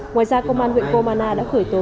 ngoài ra công an huyện gromana đã khởi tố